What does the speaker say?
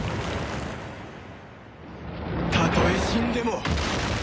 たとえ死んでも。